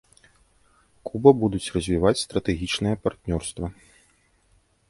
Куба будуць развіваць стратэгічнае партнёрства.